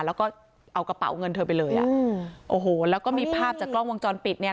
แล้วก็เอากระเป๋าเงินเธอไปเลยแล้วก็มีภาพจากกล้องวงจรปิด